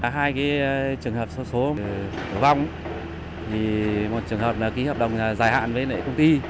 hai trường hợp số vong một trường hợp ký hợp đồng dài hạn với công ty